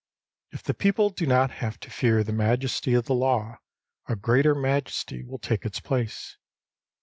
If the people do not have to fear the majesty of the law, a greater majesty will take its place.